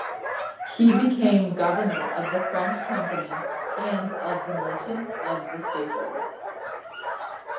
He became Governor of the French Company and of the Merchants of the Staple.